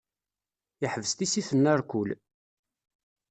Yeḥbes tissit n larkul.